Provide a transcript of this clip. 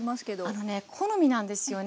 あのね好みなんですよね